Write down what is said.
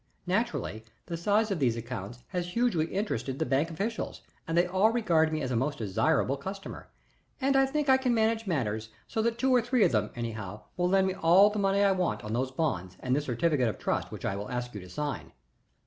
Naturally the size of these accounts has hugely interested the bank officials, and they all regard me as a most desirable customer, and I think I can manage matters so that two or three of them, anyhow, will lend me all the money I want on those bonds and this certificate of trust which I shall ask you to sign."